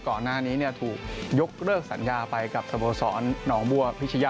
ก่อนหน้านี้ถูกยกเลิกสัญญาไปกับสโมสรหนองบัวพิชยะ